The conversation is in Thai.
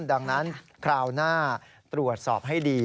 ดังนั้นคราวหน้าตรวจสอบให้ดี